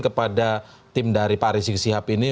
kepada tim dari pak rizik sihab ini